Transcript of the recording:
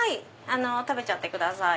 食べちゃってください。